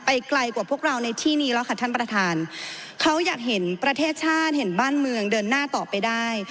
ไกลกว่าพวกเราในที่นี้แล้วค่ะท่านประธานเขาอยากเห็นประเทศชาติเห็นบ้านเมืองเดินหน้าต่อไปได้